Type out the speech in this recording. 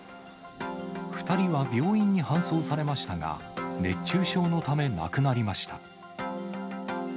２人は病院に搬送されましたが、熱中症のため、亡くなりました。